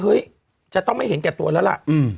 จะต้องไม่เห็นแก่ตัวแล้วล่ะ